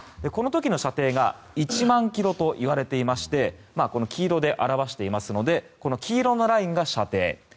この時の射程が１万ｋｍと言われていまして黄色で表していますのでこの黄色のラインが射程。